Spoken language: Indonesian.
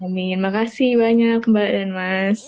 amin terima kasih banyak mbak dan mas